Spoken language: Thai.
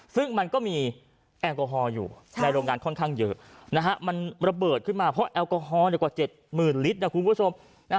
ซึ่งมันก็มีแอลกอฮอล์อยู่ในโรงงานค่อนข้างเยอะมันระเบิดขึ้นมาเพราะแอลกอฮอลกว่า๗๐๐ลิตรนะคุณผู้ชม